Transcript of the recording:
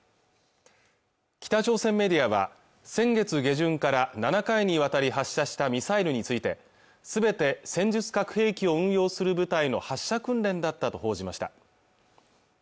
北朝鮮メディアは先月下旬から７回にわたり発射したミサイルについて全て戦術核兵器を運用する部隊の発射訓練だったと報じました